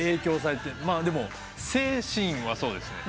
でも精神はそうですね。